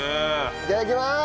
いただきます！